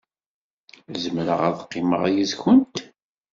Zemreɣ ad qqimeɣ yid-went?